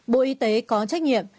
một bộ y tế có trách nhiệm